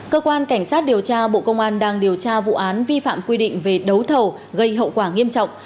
cơ quan cảnh sát điều tra bộ công an đang điều tra vụ án vi phạm quy định về đấu thầu gây hậu quả nghiêm trọng